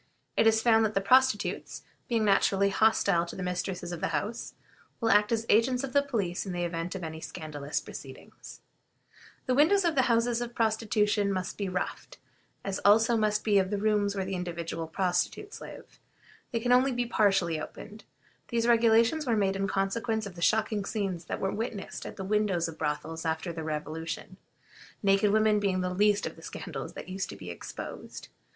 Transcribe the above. It is found that the prostitutes, being naturally hostile to the mistresses of the houses, will act as agents of the police in the event of any scandalous proceedings. The windows of houses of prostitution must be roughed, as also must those of rooms where individual prostitutes live. They can only be partially opened. These regulations were made in consequence of the shocking scenes that were witnessed at the windows of brothels after the Revolution, naked women being the least of the scandals that used to be exposed.